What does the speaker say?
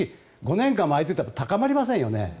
５年も空いていたら高まりませんよね。